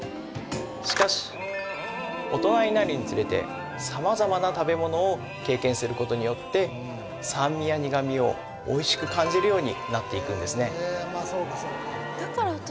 しかし大人になるにつれてすることによって酸味や苦味をおいしく感じるようになっていくんですね